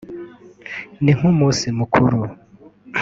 ni nk’umunsi mukuru [